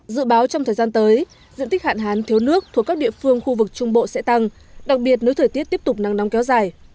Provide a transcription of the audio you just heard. dự báo trong thời gian tới diện tích hạn hán thiếu nước thuộc các địa phương khu vực trung bộ sẽ tăng đặc biệt nếu thời tiết tiếp tục nắng nóng kéo dài